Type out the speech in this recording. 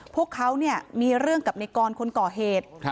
พวกเขามีเรื่องกับในกรคนก่อเหตุ